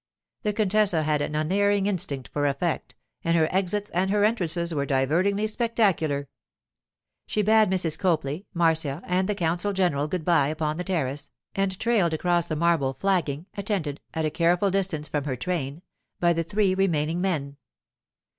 The contessa had an unerring instinct for effect, and her exits and her entrances were divertingly spectacular. She bade Mrs. Copley, Marcia, and the consul general good bye upon the terrace, and trailed across the marble flagging, attended—at a careful distance from her train—by the three remaining men.